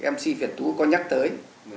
mc việt tú có nhắc tới